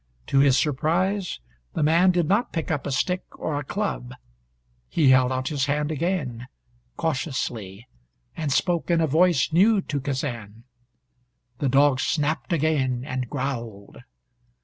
To his surprise the man did not pick up a stick or a club. He held out his hand again cautiously and spoke in a voice new to Kazan. The dog snapped again, and growled.